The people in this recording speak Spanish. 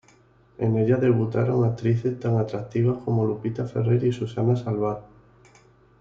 En ella debutaron actrices tan atractivas como Lupita Ferrer y Susana Salvat.